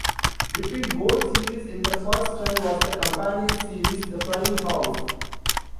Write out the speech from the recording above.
Between both series in the first run was the companion series "The Flying House".